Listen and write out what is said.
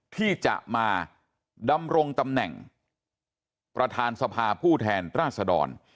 ที่จะมาดำรงตำแหน่งประธานสภาผู้แทนราชดร